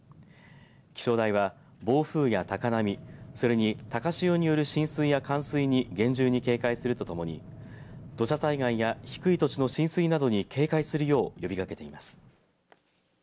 気象台は暴風や高波それに高潮による浸水や冠水に厳重に警戒するとともに土砂災害や低い土地の浸水などに警戒するよう呼びかけています。